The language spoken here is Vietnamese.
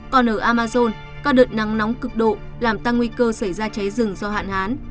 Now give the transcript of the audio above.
còn ở amazon các đợt nắng nóng cực độ làm tăng nguy cơ xảy ra cháy rừng do hạn hán